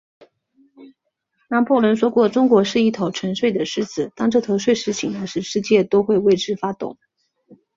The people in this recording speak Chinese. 拿破仑说过，中国是一头沉睡的狮子，当这头睡狮醒来时，世界都会为之发抖。